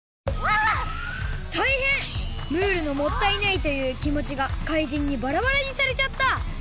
ムールの「もったいない」というきもちがかいじんにバラバラにされちゃった！